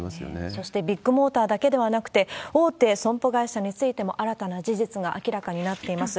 そして、ビッグモーターだけではなくて、大手損保会社についても新たな事実が明らかになっています。